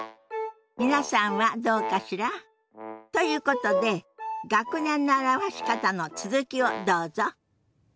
皆さんはどうかしら？ということで学年の表し方の続きをどうぞ。